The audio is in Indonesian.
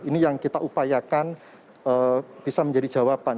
ini yang kita upayakan bisa menjadi jawaban